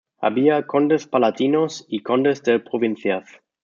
Había "condes palatinos" y "condes de provincias".